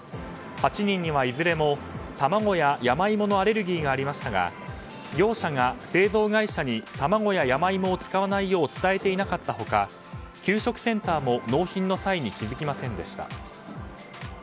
８人にはいずれも卵や山芋のアレルギーありましたが業者が製造会社に卵や山芋を使わないよう伝えていなかった他給食センターも納品の際に気づきませんでした。